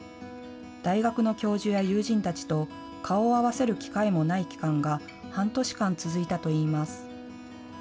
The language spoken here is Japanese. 大学の教授や友人たちと顔を合わせる機会もない期間が半年間続いたといいます。